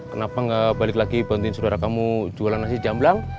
kenapa nggak balik lagi bantuin saudara kamu jualan nasi jamblang